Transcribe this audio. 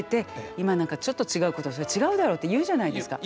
今なんかちょっと違うことすると「違うだろ」って言うじゃないですか。